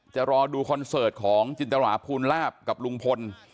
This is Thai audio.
จะรอดูคอนเสิร์ตของจินตราภูลลาบกับลุงพล